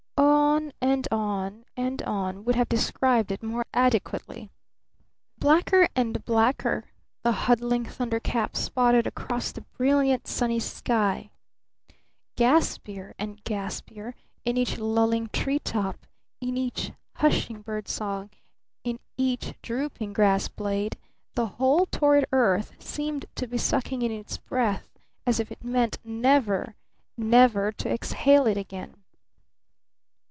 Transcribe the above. "On and on and on," would have described it more adequately. Blacker and blacker the huddling thunder caps spotted across the brilliant, sunny sky. Gaspier and gaspier in each lulling tree top, in each hushing bird song, in each drooping grass blade, the whole torrid earth seemed to be sucking in its breath as if it meant never, never to exhale it again.